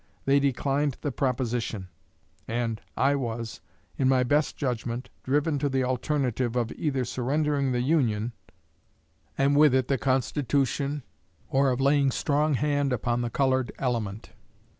They declined the proposition; and I was, in my best judgment, driven to the alternative of either surrendering the Union, and with it the Constitution, or of laying strong hand upon the colored element.